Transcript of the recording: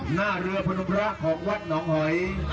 หน้าเรือพนมพระของวัดหนองหอย